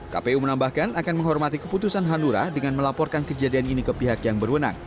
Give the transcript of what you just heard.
kpu menambahkan akan menghormati keputusan hanura dengan melaporkan kejadian ini ke pihak yang berwenang